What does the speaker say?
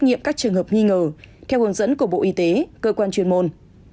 theo hướng dẫn của bộ y tế cơ quan truyền môn